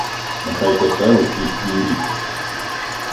Нехай поселить тут свій рід.